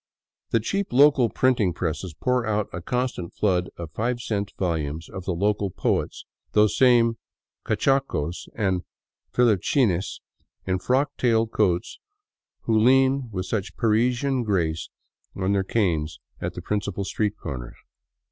The cheap local printing presses pour out a constant flood of five cent volumes of the local poets," those same " cachacos " and " filipichines " in frock tailed coats who lean with such Parisian grace on their canes at the prin cipal street corners.